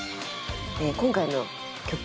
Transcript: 今回の曲